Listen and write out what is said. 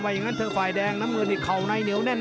อย่างนั้นเถอะฝ่ายแดงน้ำเงินนี่เข่าในเหนียวแน่น